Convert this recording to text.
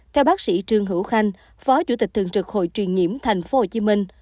theo bác sĩ trương hữu khanh phó chủ tịch thường trực hội truyền nhiễm tp hcm